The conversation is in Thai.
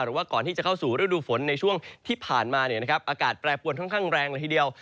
ก่อนที่จะเข้าสู่ฤดูฝนในช่วงที่ผ่านมาอากาศแปรปวนค่อนข้างแรงละทีเดียว